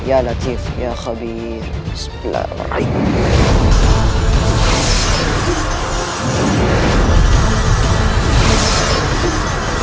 ya latif ya khadir